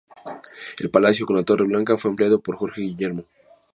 El palacio con la Torre Blanca fue ampliado por Jorge Guillermo.